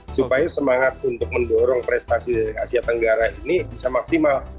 supaya semangat untuk mendorong prestasi dari asia tenggara ini bisa maksimal